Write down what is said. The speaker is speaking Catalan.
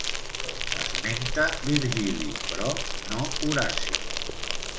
Esmenta Virgili, però no Horaci.